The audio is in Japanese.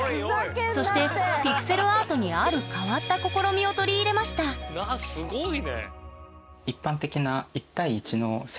そしてピクセルアートにある変わった試みを取り入れましたすごいね。